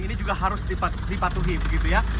ini juga harus dipatuhi begitu ya